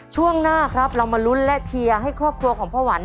ช่วงหน้าครับเรามาลุ้นและเชียร์ให้ครอบครัวของพ่อหวัน